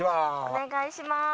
お願いします。